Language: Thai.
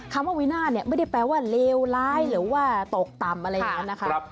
คำว่าวินาทเนี่ยไม่ได้แปลว่าเลวร้ายหรือว่าตกต่ำอะไรอย่างนั้นนะคะ